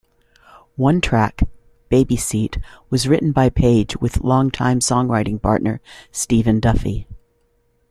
One track, "Baby Seat", was written by Page with longtime songwriting partner, Stephen Duffy.